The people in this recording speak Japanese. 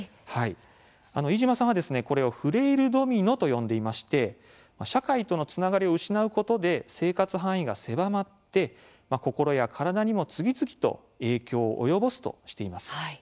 飯島さんは、これをフレイル・ドミノと呼んでいまして社会とのつながりを失うことで生活範囲が狭まって心や体に次々と影響を及ぼすとしています。